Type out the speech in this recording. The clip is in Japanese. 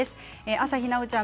朝日奈央ちゃん